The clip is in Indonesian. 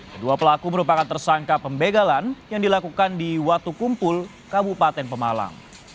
kedua pelaku merupakan tersangka pembegalan yang dilakukan di watu kumpul kabupaten pemalang